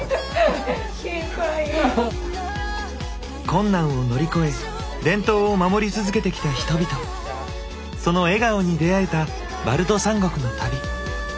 困難を乗り越え伝統を守り続けてきた人々その笑顔に出会えたバルト三国の旅。